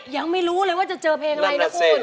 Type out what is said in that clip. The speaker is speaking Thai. ยังไม่รู้เลยว่าจะเจอเพลงอะไรนะคุณ